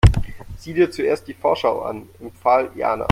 Sieh dir zuerst die Vorschau an, empfahl Jana.